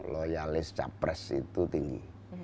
loyalis capres itu tinggi